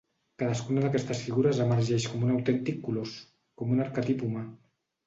Cadascuna d'aquestes figures emergeix com un autèntic colós, com un arquetip humà.